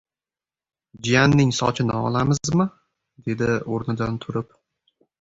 — Jiyanning sochini olamizmi? — dedi o‘rnidan turib.